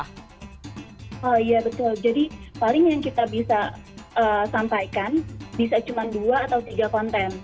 oh iya betul jadi paling yang kita bisa sampaikan bisa cuma dua atau tiga konten